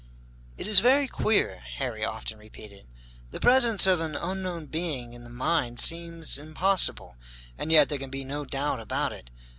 "It is very queer," Harry often repeated. "The presence of an unknown being in the mine seems impossible, and yet there can be no doubt about it.